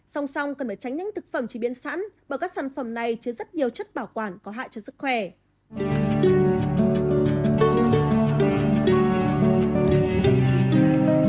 song song cần phải tránh những thực phẩm chế biến sẵn bởi các sản phẩm này chứa rất nhiều chất bảo quản có hại cho sức khỏe